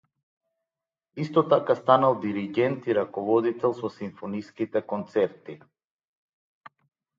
Исто така станал диригент и раководел со симфониските концерти.